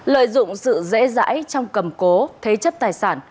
lợi dụng sự dễ dãi trong cầm cố thế chấp tài sản